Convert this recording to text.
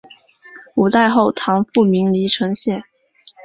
五代后唐复名黎城县。